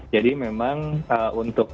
jadi memang untuk kabupaten kepulauan mentawai